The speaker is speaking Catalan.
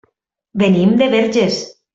Venim de Verges.